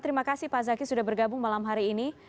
terima kasih pak zaki sudah bergabung malam hari ini